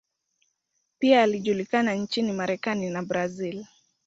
Pia alijulikana nchini Marekani na Brazil.